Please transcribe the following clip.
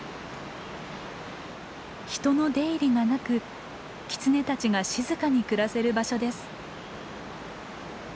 人の出入りがなくキツネたちが静かに暮らせる場所です。